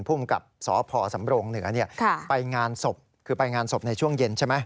ภูมิกับสพสำโบรงเหนือเนี่ยไปงานศพในช่วงเย็นใช่ไหม